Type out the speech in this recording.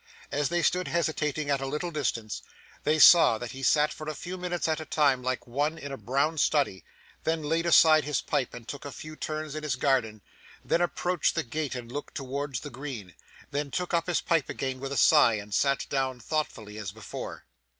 As they stood hesitating at a little distance, they saw that he sat for a few minutes at a time like one in a brown study, then laid aside his pipe and took a few turns in his garden, then approached the gate and looked towards the green, then took up his pipe again with a sigh, and sat down thoughtfully as before.